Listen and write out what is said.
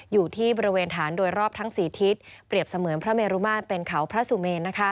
อยู่ที่บริเวณฐานโดยรอบทั้ง๔ทิศเปรียบเสมือนพระเมรุมาตรเป็นเขาพระสุเมน